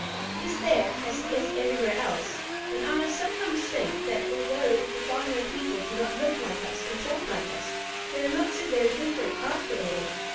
It is there as it is everywhere else, and I sometimes think that although the farmyard people do not look like us or talk like us, they are not so very different after all.